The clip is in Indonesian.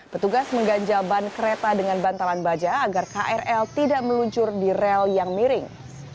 petugas mengganja ban kereta dengan bantalan baja agar krl tidak meluncur di rel yang miring